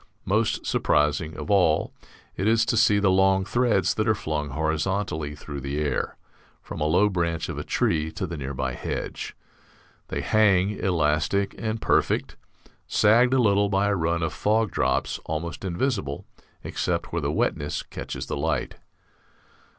Most surprising of all it is to see the long threads that are flung horizontally through the air, from a low branch of a tree to the near by hedge. They hang, elastic and perfect, sagged a little by a run of fog drops almost invisible except where the wetness catches the light.